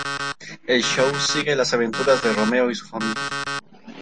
El show sigue las aventuras de Romeo y su familia.